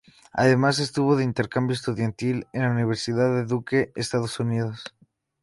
Además, estuvo de intercambio estudiantil en la Universidad de Duke, Estados Unidos.